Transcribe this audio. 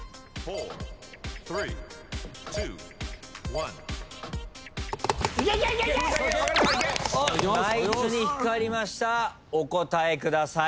お答えください。